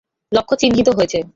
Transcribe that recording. লক্ষ্য চিহ্নিত হয়েছে।